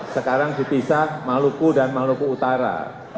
sekarang dipisah maluku dan maluku utara